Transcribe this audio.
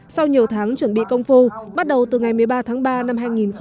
sau nhiều tháng chuẩn bị công phu bắt đầu từ ngày một mươi ba tháng ba năm hai nghìn hai mươi